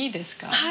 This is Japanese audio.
はい。